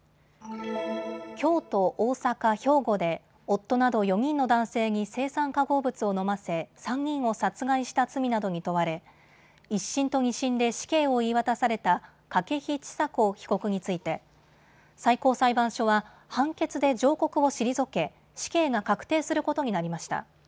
京都、大阪、兵庫で夫など４人の男性に青酸化合物を飲ませ３人を殺害した罪などに問われ１審と２審で死刑を言い渡された筧千佐子被告について最高裁判所は判決で上告を退け死刑が確定することになりました。